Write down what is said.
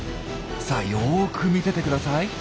さあよく見ててください。